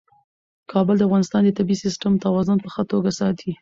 کابل د افغانستان د طبعي سیسټم توازن په ښه توګه ساتي.